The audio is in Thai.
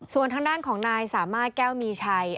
ส่วนทางด้านของนายสามารถแก้วมีชัย